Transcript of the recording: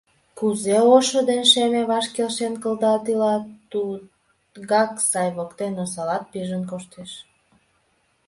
— Кузе ошо ден шеме ваш келшен кылдалт илат, тугак сай воктен осалат пижын коштеш.